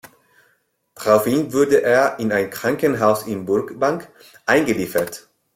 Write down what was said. Daraufhin wurde er in ein Krankenhaus in Burbank eingeliefert.